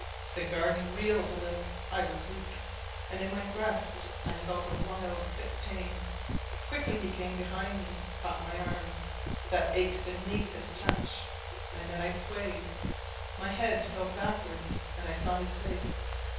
The garden reeled a little, I was weak, And in my breast I felt a wild, sick pain. Quickly he came behind me, caught my arms, That ached beneath his touch; and then I swayed, My head fell backward and I saw his face.